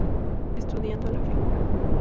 Estudiando la Fig.